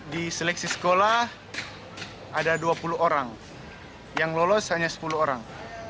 di seleksi sekolah ada dua puluh orang yang lolos hanya sepuluh orang